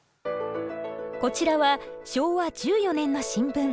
こちらは昭和１４年の新聞。